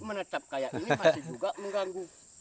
menetap kayak ini masih juga mengganggu